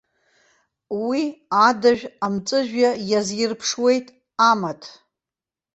Уи, адажә амҵәыжәҩа иазирԥшуеит, амаҭ.